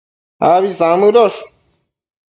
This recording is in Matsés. Abi samëdosh